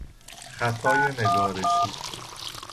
خطای نگارشی